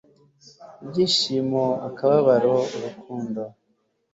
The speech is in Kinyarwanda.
ibyishimo, akababaro, urukundo